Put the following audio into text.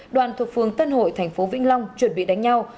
đoàn thuộc phường tân hội thành phố vĩnh long chuẩn bị đánh nhau